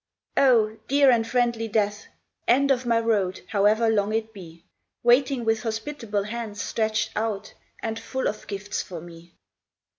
H, dear and friendly Death, End of my road, however long it be, Waiting with hospitable hands stretched out And full of gifts for me